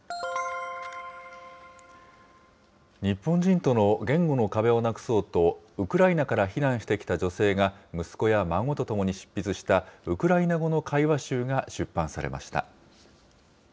日本人との言語の壁をなくそうと、ウクライナから避難してきた女性が、息子や孫とともに執筆したウクライナ語の会話集が出版されました。